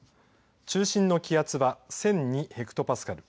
中心の気圧は１００２ヘクトパスカル。